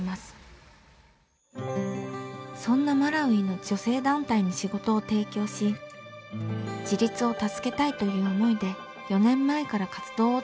そんなマラウイの女性団体に仕事を提供し自立を助けたいという思いで４年前から活動を続けています。